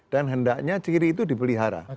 dan hendaknya jiri itu dipelihara